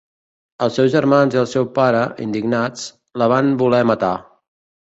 Els seus germans i el seu pare, indignats, la van voler matar.